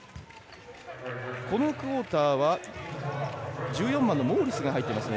このクオーターは、１４番のモールスが入っていますね。